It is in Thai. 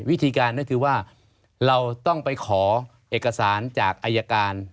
วิธีการก็คือว่าเราต้องไปขอเอกสารจากอายการ